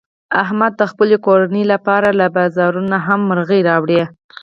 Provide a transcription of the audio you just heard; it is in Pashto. احمد د خپلې کورنۍ لپاره له بازانونه نه هم مرغۍ راوړي.